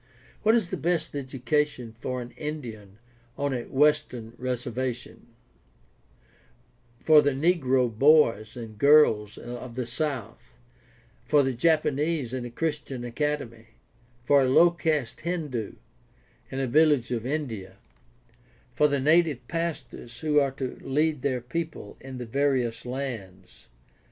What is the best education for an Indian on a western reservation, for the negro boys and girls of the South, for the Japanese in a Christian academy, for a low caste Hindu in a village of India, for the native pastors who are to lead their people in the various lands